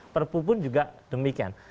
perpupun juga demikian